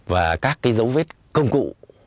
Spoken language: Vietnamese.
và các dấu vết công cụ